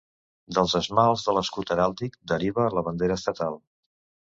Dels esmalts de l'escut heràldic deriva la bandera estatal.